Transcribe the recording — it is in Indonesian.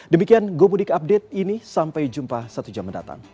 demikian gomudik update ini sampai jumpa satu jam mendatang